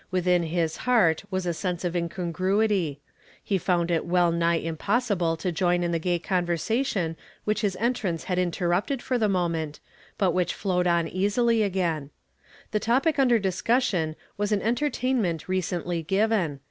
Within his heart was ii sense of incongruity. lie found it well nigh im possible to join in the gay convei sation which his entrance had interrupted for the moment, but which fiowed on easily again. The t()i)ie uiicU': discussion was an entertainment recently given.